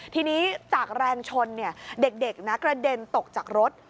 ทีนี้จากแรงชนเด็กกระเด็นตกจากรถ